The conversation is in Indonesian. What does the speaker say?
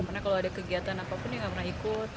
karena kalau ada kegiatan apapun ya nggak pernah ikut